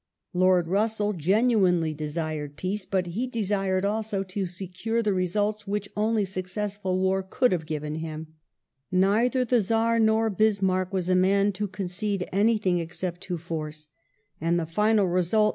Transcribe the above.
Lord Russell genuinely desired peace, but he desired also to secure the results which only successful war could have given him. Neither the Czar nor Bismarck was a man to concede anything except to force, and the final i esult not only 1 Granville, Life, i.